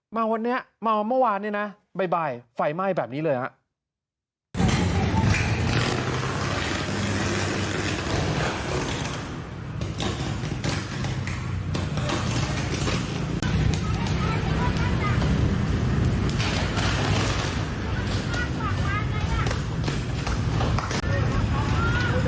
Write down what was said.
มาวันนี้มาวันเมื่อวานเนี่ยนะบ๊ายบายไฟไหม้แบบนี้เลยนะ